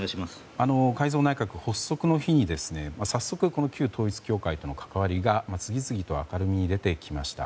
改造内閣、発足の日に早速この旧統一教会との関わりが次々と明るみに出てきました。